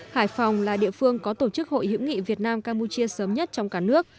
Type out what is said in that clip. hải phòng là địa phương có tổ chức hội hữu nghị việt nam campuchia sớm nhất trong cả nước